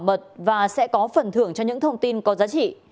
quý vị sẽ được bảo mật và sẽ có phần thưởng cho những thông tin có giá trị